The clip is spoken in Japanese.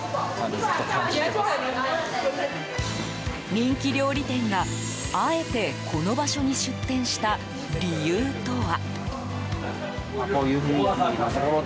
人気料理店があえて、この場所に出店した理由とは？